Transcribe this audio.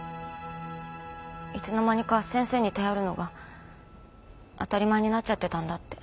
いつの間にか先生に頼るのが当たり前になっちゃってたんだって。